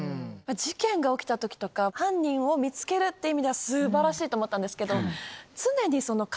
事件が起きた時とか犯人を見つけるって意味では素晴らしいと思ったんですけど。